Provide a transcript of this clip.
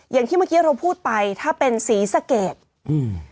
อย่างที่เมื่อกี้เราพูดไปถ้าเป็นศรีสะเกดอืม